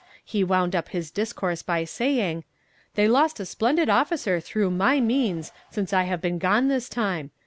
He wound up his discourse by saying: "They lost a splendid officer through my means since I have been gone this time.